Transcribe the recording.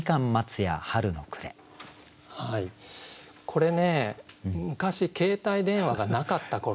これね昔携帯電話がなかった頃。